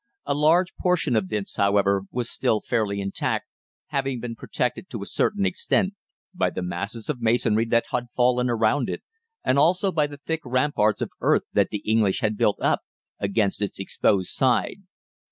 A large portion of this, however, was still fairly intact, having been protected to a certain extent by the masses of masonry that had fallen all around it, and also by the thick ramparts of earth that the English had built up against its exposed side.